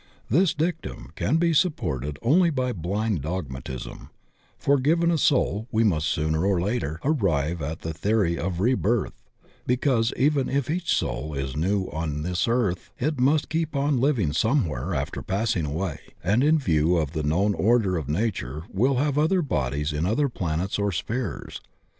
This dictum can be supported only by blind dogmatism, for given a soul we must sooner or later arrive at the theory of re birth, because even if each soul is new on this earth it must keep on living somewhere after passing away, and in view of the known order of nature \^ have other bodies in other planets or spheres.